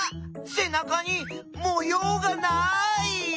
せなかにもようがない！